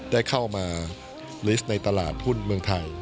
ได้เข้ามาลิสต์ในตลาดหุ้นเมืองไทย